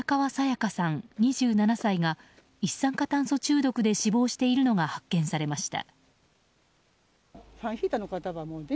嘉さん、２７歳が一酸化炭素中毒で死亡しているのが発見されました。